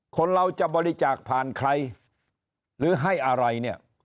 คนเราจะบริจาคผ่านใครหรือให้อะไรเนี่ย